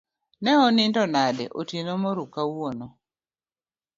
Ne unindo nade otieno moruu kawuono?